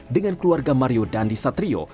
dengan keluarga mario dandi satrio